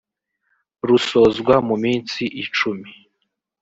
rusozwa mu minsi icumi